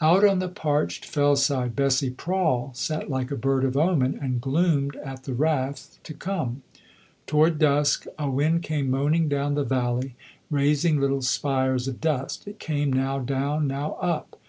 Out on the parched fell side Bessie Prawle sat like a bird of omen and gloomed at the wrath to come. Toward dusk a wind came moaning down the valley, raising little spires of dust. It came now down, now up.